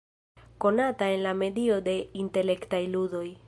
Konata en la medio de intelektaj ludoj.